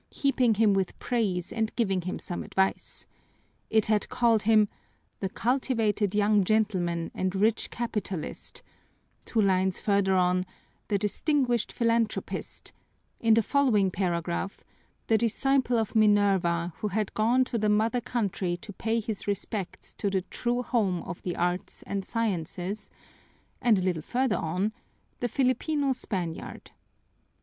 heaping him with praise and giving him some advice. It had called him, "The cultivated young gentleman and rich capitalist;" two lines further on, "The distinguished philanthropist;" in the following paragraph, "The disciple of Minerva who had gone to the mother country to pay his respects to the true home of the arts and sciences;" and a little further on, "The Filipino Spaniard."